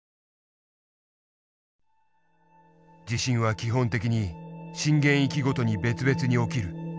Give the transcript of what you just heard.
地震は基本的に震源域ごとに別々に起きる。